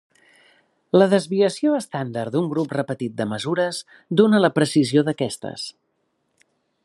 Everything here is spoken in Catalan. La desviació estàndard d'un grup repetit de mesures dóna la precisió d'aquestes.